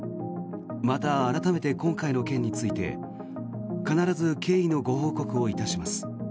また、改めて今回の件について必ず経緯のご報告をいたします。